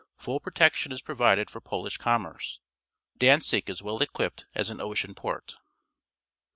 Full protection is pro\'ided for Polish com merce. Danzig is well equipped as an ocean port.